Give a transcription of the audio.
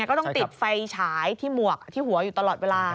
ก็ต้องติดไฟฉายที่หมวกที่หัวอยู่ตลอดเวลา